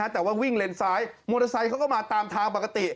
แต่ว่าวิ่งเลนซ้ายมอเตอร์ไซค์เขาก็มาตามทางปกติ